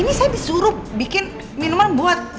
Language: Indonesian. ini saya disuruh bikin minuman buat